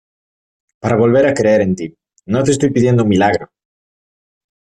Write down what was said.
para volver a creer en ti. no te estoy pidiendo un milagro